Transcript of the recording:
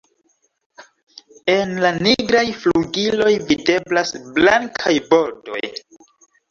En la nigraj flugiloj videblas blankaj bordoj.